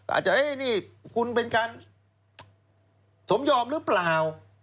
อาจจะนี่คุณเป็นการสมยอมหรือเปล่า